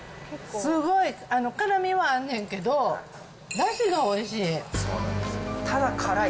すごい、辛みはあんねんけど、だしがおいしい。